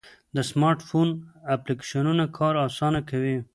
د سمارټ فون اپلیکیشنونه کار آسانه کوي.